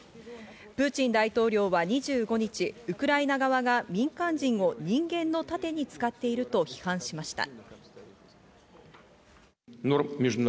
プーチン大統領は２５日、ウクライナ側が民間人を人間の盾に使っていると批判しました。